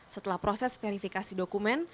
setelah proses verifikasi dokumen